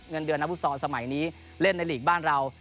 เงินเดือนนักฟุตซอลสมัยนี้เล่นในหลีกบ้านเรา